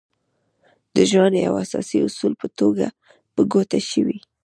د ژوند يو اساسي اصول په ګوته شوی.